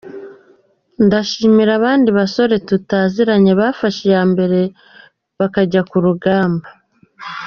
Ndashimira abandi basore tutaziranye bafashe iyambere bakajya kurugamba.